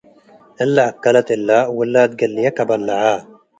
እለ እከለት እለ ውላድ ገልየ ከበልዐ ።